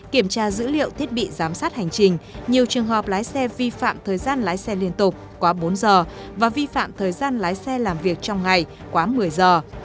kiểm tra dữ liệu thiết bị giám sát hành trình nhiều trường hợp lái xe vi phạm thời gian lái xe liên tục quá bốn giờ và vi phạm thời gian lái xe làm việc trong ngày quá một mươi giờ